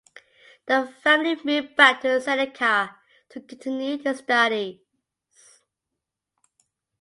The family moved back to Senica to continue his studies.